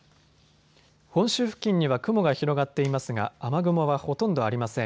本州付近には雲が広がっていますが雨雲はほとんどありません。